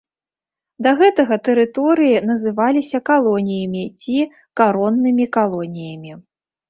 Да гэтага тэрыторыі называліся калоніямі ці кароннымі калоніямі.